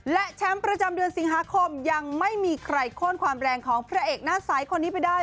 และแชมป์ประจำเดือนสิงหาคมยังไม่มีใครโค้นความแรงของพระเอกหน้าใสคนนี้ไปได้